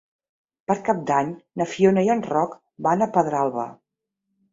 Per Cap d'Any na Fiona i en Roc van a Pedralba.